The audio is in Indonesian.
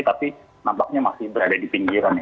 tapi nampaknya masih berada di pinggiran ya